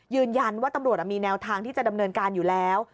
ยืนยันว่าตำรวจมีแนวทางที่จะดำเนินการอยู่แล้ว